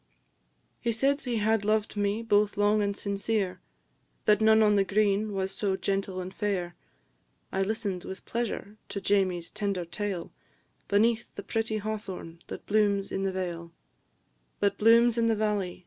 He said he had loved me both long and sincere, That none on the green was so gentle and fair; I listen'd with pleasure to Jamie's tender tale, Beneath the pretty hawthorn that blooms in the vale That blooms in the valley, &c.